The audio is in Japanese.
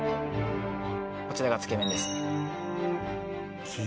こちらがつけ麺ですね